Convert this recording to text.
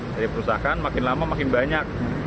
jadi perusahaan makin lama makin banyak